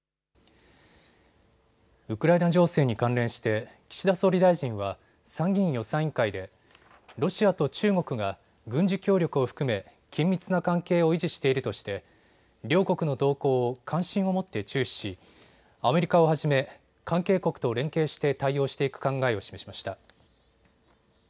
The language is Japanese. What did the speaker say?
ウクライナ情勢に関連して岸田総理大臣は参議院予算委員会でロシアと中国が軍事協力を含め緊密な関係を維持しているとして両国の動向を関心をもって注視しアメリカをはじめ関係国と連携して対応していく考えを示しました。